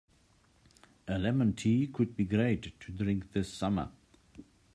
A lemon tea could be great to drink this summer.